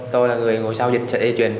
tôi là người ngồi sau dịch sợi dây chuyền